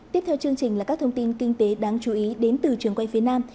tiếp theo chương trình là các thông tin kinh tế đáng chú ý đến từ trường quay phía nam